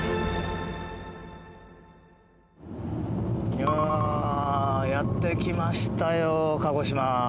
いややって来ましたよ鹿児島。